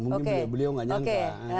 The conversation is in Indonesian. mungkin beliau nggak nyangka